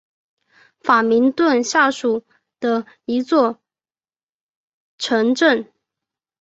法明顿下属的一座城镇。